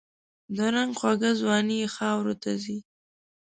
د رنګ خوږه ځواني یې خاوروته ځي